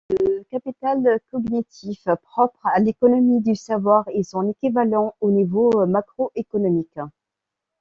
Le capital cognitif propre à l'économie du savoir est son équivalent au niveau macroéconomique.